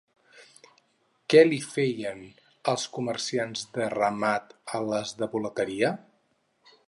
Què li feien els comerciants de ramat a les de volateria?